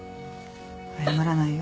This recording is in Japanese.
謝らないよ。